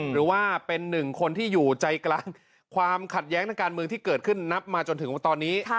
หรือว่าเป็นหนึ่งคนที่อยู่ใจกลางความขัดแย้งทางการเมืองที่เกิดขึ้นนับมาจนถึงตอนนี้